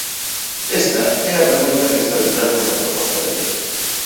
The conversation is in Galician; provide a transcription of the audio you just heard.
Esta é a pregunta que está detrás desta proposta de lei.